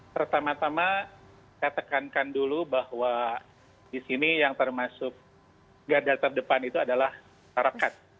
pertama tama saya tekankan dulu bahwa di sini yang termasuk garda terdepan itu adalah tarakat